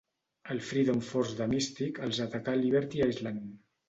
El Freedom Force de Mystique els ataca a Liberty Island.